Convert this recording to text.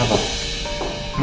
masih rumah mana